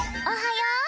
おはよう。